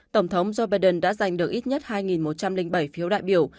tổng thống joe biden đã giải quyết tình trạng khẩn cấp để thiết lập lại trật tự